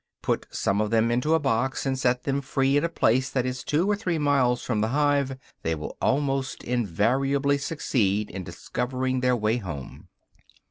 Put some of them into a box and set them free at a place that is two or three miles from their hive, they will almost invariably succeed in discovering their way home.